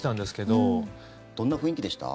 どんな雰囲気でした？